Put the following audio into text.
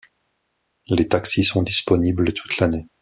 Les taxis sont disponibles toute l'année.